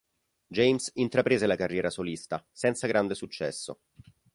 James intraprese la carriera solista, senza grande successo.